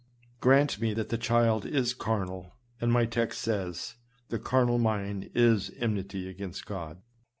Grant me that the child is car nal, and my text says, " The carnal mind is enmity against God."